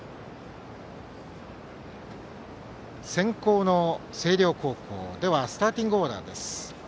先攻の星稜高校のスターティングオーダーです。